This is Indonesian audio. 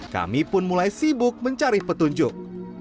kami pun mulai sibuk mencari petunjuk